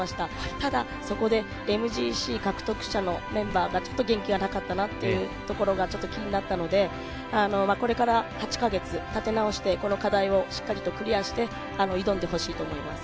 ただ、そこでＭＧＣ獲得者のメンバーがちょっと元気がなかったところがちょっと気になったのでこれから８か月立て直してこの課題をしっかりとクリアして挑んでほしいと思います。